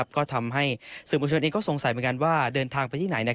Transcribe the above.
ก็ทำให้สื่อมวลชนเองก็สงสัยเหมือนกันว่าเดินทางไปที่ไหน